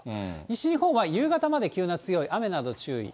西日本は夕方まで急な強い雨など注意。